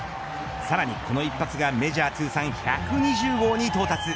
さらにこの一発がメジャー通算１２０号に到達。